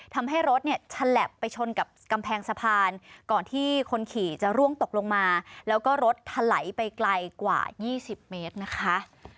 ทำให้รถเนี่ยฉลับไปชนกับกำแพงสะพานก่อนที่คนขี่จะร่วงตกลงมาแล้วก็รถถลายไปไกลกว่า๒๐เมตรนะคะ